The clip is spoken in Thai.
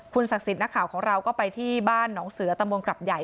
ศักดิ์สิทธิ์นักข่าวของเราก็ไปที่บ้านหนองเสือตำบลกลับใหญ่